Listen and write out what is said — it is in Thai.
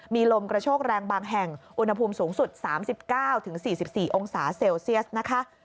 มีลมกระโชกแรงบางแห่งอุณหภูมิสูงสุด๓๙๔๔องศาเซลเซียสนะคะ